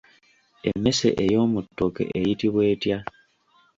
Emmese ey'omu ttooke eyitibwa etya?